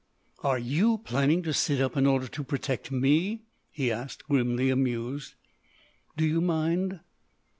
"Are you planning to sit up in order to protect me?" he asked, grimly amused. "Do you mind?"